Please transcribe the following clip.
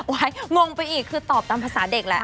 งงไปอีกคือตอบตามภาษาเด็กแหละ